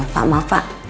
pak maaf pak